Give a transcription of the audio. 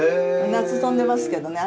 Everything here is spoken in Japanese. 夏飛んでますけどね